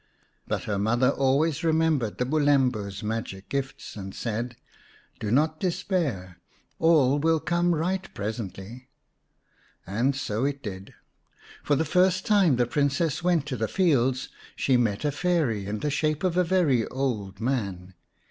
But her mother always remembered the Bulembu's magic gifts, and said, " Do not despair ; all will come right presently." And so it did ; for the first time the Princess went to the fields she met a Fairy in the shape of a very old man.